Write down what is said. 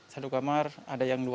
satu kamar ada yang dua